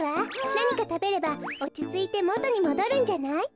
なにかたべればおちついてもとにもどるんじゃない？